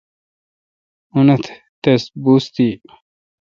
اونتھ تہ بوس تی۔